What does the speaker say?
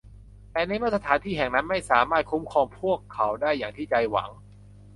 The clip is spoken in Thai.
แต่ในเมื่อสถานที่แห่งนั้นไม่สามารถคุ้มครองพวกเขาได้อย่างที่ใจหวัง